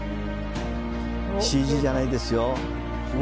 ＣＧじゃないですよ。